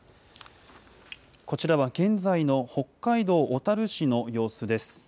こちらは現在の北海道小樽市の様子です。